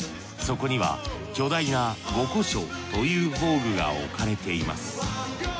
そこには巨大な五鈷杵という法具が置かれています。